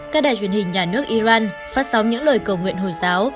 các đài truyền hình nhà nước iran phát sóng những lời cầu nguyện hồi giáo